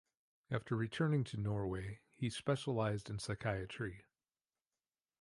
After returning to Norway he specialised in psychiatry.